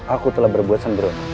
aku telah berbuat sendirian